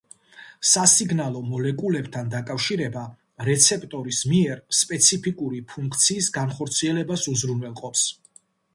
სასიგნალო მოლეკულებთან დაკავშირება რეცეპტორის მიერ სპეციფიკური ფუნქციის განხორციელებას უზრუნველყოფს.